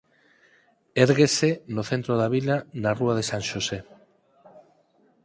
Érguese no centro da vila na rúa San Xosé.